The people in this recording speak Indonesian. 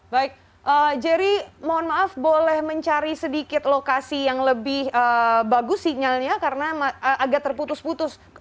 baik jerry mohon maaf boleh mencari sedikit lokasi yang lebih bagus sinyalnya karena agak terputus putus